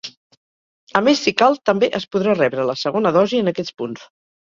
A més, si cal, també es podrà rebre la segona dosi en aquests punts.